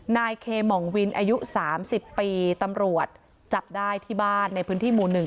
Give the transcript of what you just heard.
นายเคมองวินอายุ๓๐ปีตำรวจจับได้ที่บ้านในพื้นที่หมู่๑